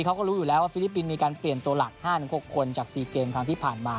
เขาก็รู้อยู่แล้วว่าฟิลิปปินส์มีการเปลี่ยนตัวหลัก๕๖คนจาก๔เกมครั้งที่ผ่านมา